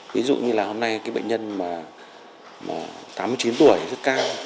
ví dụ như là hôm nay cái bệnh nhân mà tám mươi chín tuổi rất cao